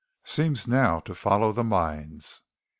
Seems now to follow the mines.